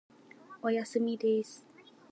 おやすみです。